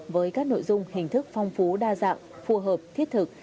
với các nội dung hình thức phong phú đa dạng phù hợp thiết thực